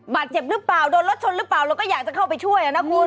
บาดเจ็บหรือเปล่าโดนรถชนหรือเปล่าเราก็อยากจะเข้าไปช่วยนะคุณ